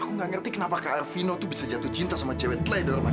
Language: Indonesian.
aku gak ngerti kenapa kak elvino tuh bisa jatuh cinta sama cewek telai dan macam macam